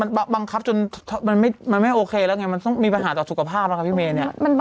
มันบังคับจนมันไม่โอเคแล้วไงมันต้องมีปัญหาต่อสุขภาพแล้วครับพี่เมย์เนี่ย